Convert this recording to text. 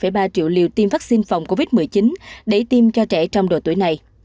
ba triệu liều tiêm vaccine phòng covid một mươi chín để tiêm cho trẻ trong độ tuổi này